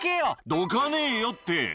「どかねえよって」